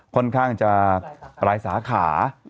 ค่อนข้างจะหลายสาขา